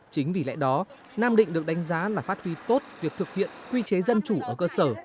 chính vì lẽ đó nam định được đánh giá là phát huy tốt việc thực hiện quy chế dân chủ ở cơ sở